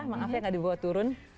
maaf ya gak dibawa turun